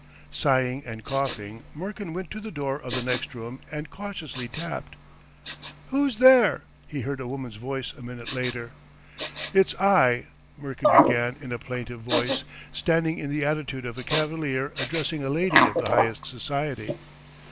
Sighing and coughing, Murkin went to the door of the next room and cautiously tapped. "Who's there?" he heard a woman's voice a minute later. "It's I!" Murkin began in a plaintive voice, standing in the attitude of a cavalier addressing a lady of the highest society.